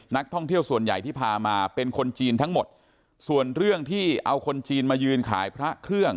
นักท่องเที่ยวส่วนใหญ่ที่พามาเป็นคนจีนทั้งหมดส่วนเรื่องที่เอาคนจีนมายืนขายพระเครื่อง